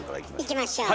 いきましょう。